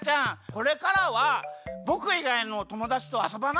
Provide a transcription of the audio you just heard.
これからはぼくいがいのともだちとあそばないで。